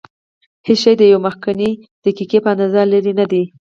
هېڅ شی د یوې مخکنۍ دقیقې په اندازه لرې نه دی.